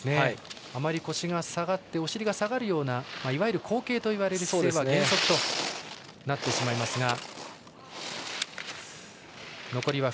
腰が下がってお尻が下がるようないわゆる後傾といわれる姿勢は減速となってしまいます。